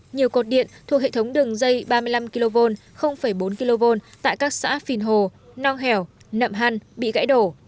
nhiều cột điện thuộc hệ thống đường dây ba mươi năm kv bốn kv tại các xã phìn hồ nong hẻo nậm hăn bị gãy đổ